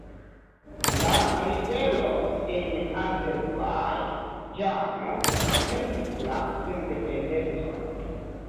La ribeloj en Azerbajĝano helpis la sendependecon.